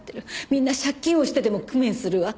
みんな借金をしてでも工面するわ。